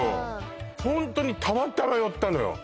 ホントにたまたま寄ったのよ